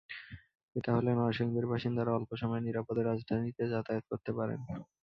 এটা হলে নরসিংদীর বাসিন্দারা অল্প সময়ে নিরাপদে রাজধানীতে যাতায়াত করতে পারেন।